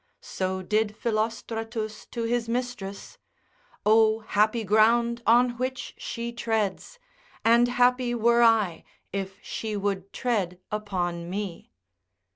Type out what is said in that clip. So did Philostratus to his mistress, O happy ground on which she treads, and happy were I if she would tread upon me.